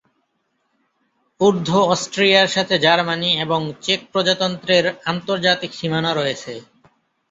ঊর্ধ্ব অস্ট্রিয়ার সাথে জার্মানি এবং চেক প্রজাতন্ত্রের আন্তর্জাতিক সীমানা রয়েছে।